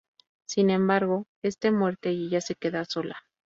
Sin embargo, este muerte y ella se queda sola.